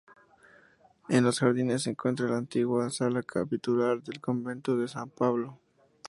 En los jardines se encuentra la antigua sala capitular del convento de San Pablo.